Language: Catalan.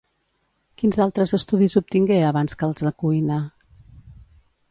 Quins altres estudis obtingué abans que els de cuina?